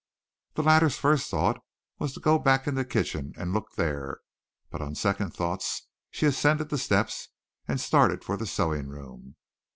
The latter's first thought was to go back in the kitchen and look there, but on second thoughts she ascended the steps and started for the sewing room.